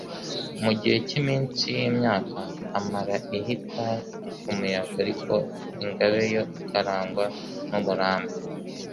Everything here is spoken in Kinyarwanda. mu gihe cy'iminsi y'imyaka amara ihita nk'umuyaga ariko Ingabe yo ikarangwa n'uburambe.